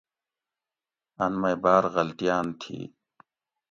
ان مئ باۤر غلطیاۤن تھی